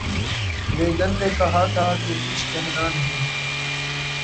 Reagan نے کہا تھا کہ کچھ کہنا نہیں